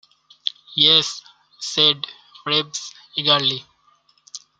"Yes," said Reeves eagerly.